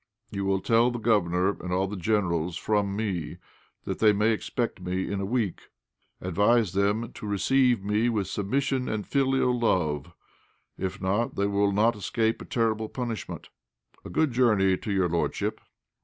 You will tell the governor and all the generals from me that they may expect me in a week. Advise them to receive me with submission and filial love; if not, they will not escape a terrible punishment. A good journey, to your lordship."